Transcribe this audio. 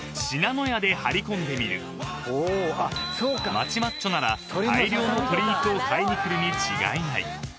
［街マッチョなら大量の鶏肉を買いに来るに違いない］